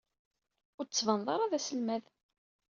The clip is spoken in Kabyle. Ur d-tettbaneḍ ara d aselmad.